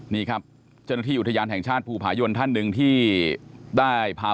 นี่ครับเจ้าหน้าที่อุทยานแห่งชาติภูผายนท่านหนึ่งที่ได้พา